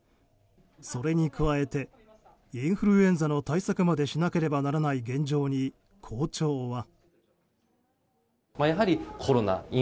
それに加えてインフルエンザの対策までしなければならない現状に校長は。